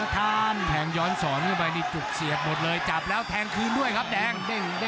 แทงย้อนสอนเข้าไปนี่จุกเสียบหมดเลยจับแล้วแทงคืนด้วยครับแดง